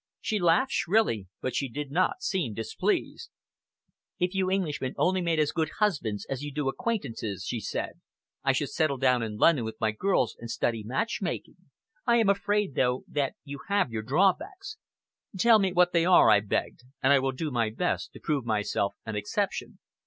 She laughed shrilly, but she did not seem displeased. "If you Englishmen only made as good husbands as you do acquaintances," she said, "I should settle down in London with my girls and study matchmaking. I am afraid, though, that you have your drawbacks." "Tell me what they are," I begged, "and I will do my best to prove myself an exception."